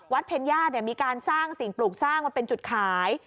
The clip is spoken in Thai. เพญญาติมีการสร้างสิ่งปลูกสร้างมาเป็นจุดขาย